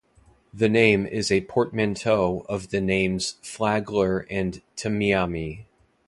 The name is a portmanteau of the names "Flagler" and "Tamiami.